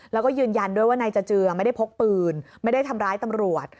แล้วก็ยืนยันด้วยว่านายจเจือไม่ได้พกปืนไม่ได้ทำร้ายตำรวจ